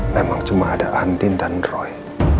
memang cuma ada andin dan roy